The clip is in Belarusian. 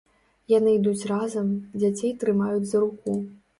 Яны ідуць разам, дзяцей трымаюць за руку.